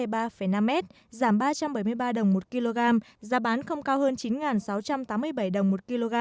dầu mazut một trăm tám mươi cst ba năm s giảm ba trăm bảy mươi ba đồng một lit giá bán không cao hơn chín sáu trăm tám mươi bảy đồng một lit